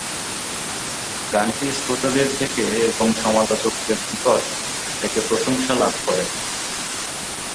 গানটি শ্রোতাদের থেকে এবং সমালোচকদের নিকট থেকে প্রশংসা লাভ করে।